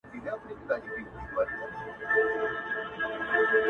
مړاوي مړاوي سور ګلاب وي زما په لاس کي,